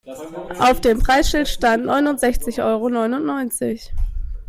Auf dem Preisschild stand neunundsechzig Euro neunundneunzig.